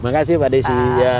terima kasih pak desi